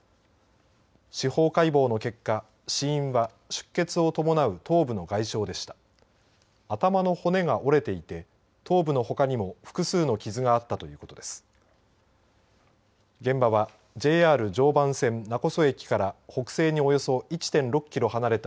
司法解剖の結果死因は、出血を伴う頭部の外傷でした。